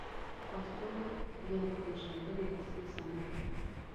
• پاسپورټ یا د پېژندنې رسمي سند